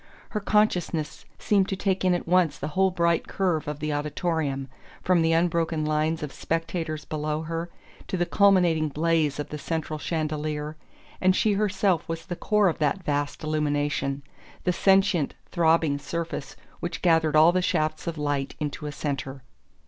Her consciousness seemed to take in at once the whole bright curve of the auditorium, from the unbroken lines of spectators below her to the culminating blaze of the central chandelier; and she herself was the core of that vast illumination, the sentient throbbing surface which gathered all the shafts of light into a centre.